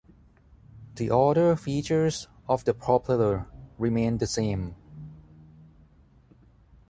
The other features of the propeller remain the same.